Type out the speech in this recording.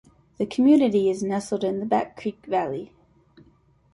The community is nestled in the Back Creek valley.